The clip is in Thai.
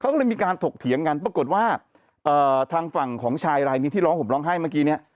ก็เลยมีการถกเถียงกันปรากฏว่าทางฝั่งของชายรายนี้ที่ร้องผมร้องไห้เมื่อกี้เนี่ย